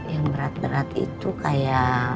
yang berat berat itu kayak